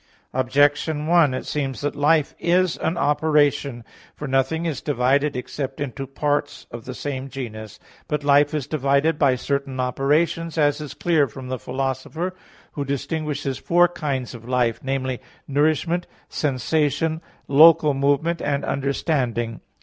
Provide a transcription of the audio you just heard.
Objection 1: It seems that life is an operation. For nothing is divided except into parts of the same genus. But life is divided by certain operations, as is clear from the Philosopher (De Anima ii, 13), who distinguishes four kinds of life, namely, nourishment, sensation, local movement and understanding.